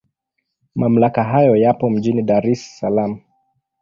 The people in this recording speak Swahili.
Mamlaka haya yapo mjini Dar es Salaam.